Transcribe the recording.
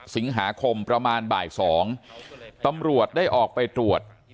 สิงหาคมประมาณบ่าย๒ตำรวจได้ออกไปตรวจ